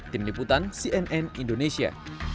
tim liputan cnn indonesia